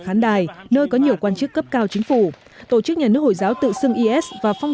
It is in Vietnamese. khán đài nơi có nhiều quan chức cấp cao chính phủ tổ chức nhà nước hồi giáo tự xưng is và phong